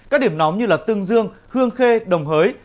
các điểm nóng như tương dương hương khê đồng hới